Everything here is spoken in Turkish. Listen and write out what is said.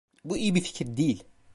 Bu iyi bir fikir değil.